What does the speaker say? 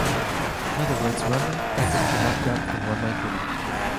In other words, Run-length Packets should not wrap from one line to another.